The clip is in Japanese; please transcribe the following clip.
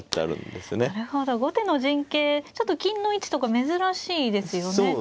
なるほど後手の陣形ちょっと金の位置とか珍しいですよね。